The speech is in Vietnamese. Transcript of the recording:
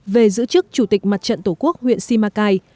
về giữ chức chủ tịch mặt trận tổ quốc huyện simacai